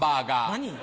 何？